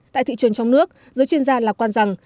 tại thị trường trong nước giới chuyên gia lạc quan rằng